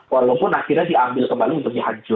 yang kemudian diambil kembali